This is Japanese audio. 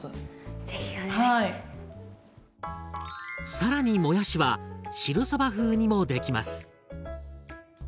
更にもやしは汁そば風にもできます。